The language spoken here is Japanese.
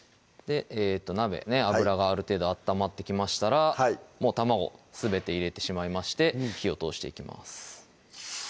鍋油がある程度温まってきましたらもう卵すべて入れてしまいまして火を通していきます